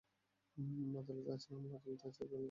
আদালত আছেন, আমরা আদালতে গেছি এবং আদালতের রায় আমাদের মানতে হবে।